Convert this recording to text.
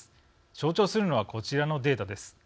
象徴するのはこちらのデータです。